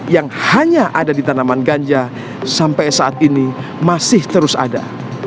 yang hanya ada di tanaman ganja sampai saat ini masih terus ada